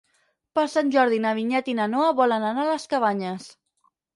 Per Sant Jordi na Vinyet i na Noa volen anar a les Cabanyes.